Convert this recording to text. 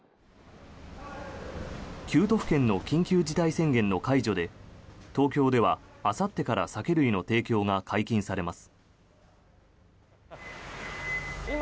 ９都府県の緊急事態宣言の解除で東京では、あさってから酒類の提供が解禁されます。